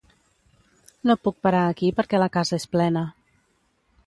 No puc parar aquí perquè la casa és plena.